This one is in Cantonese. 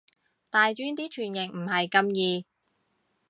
大專啲傳譯唔係咁易